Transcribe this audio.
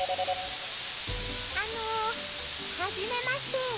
あの、はじめまして。